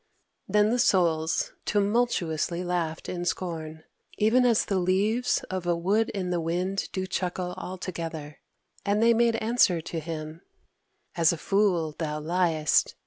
Then the Souls tumultuously laughed in scorn, even as the leaves of a wood in the wind do chuckle all together. And they made answer to him: "As a fool thou liest!